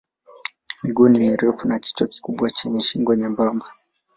Miguu ni mirefu na kichwa kikubwa chenye shingo nyembamba.